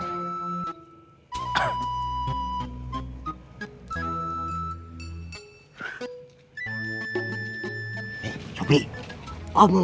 komunikasinya sudah banyak lagi